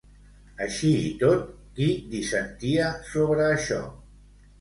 Així i tot, qui dissentia sobre això?